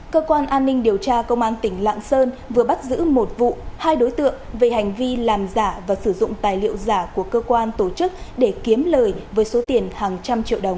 cơ quan an ninh điều tra công an tỉnh lạng sơn vừa bắt giữ một vụ hai đối tượng về hành vi làm giả và sử dụng tài liệu giả của cơ quan tổ chức để kiếm lời với số tiền hàng trăm triệu đồng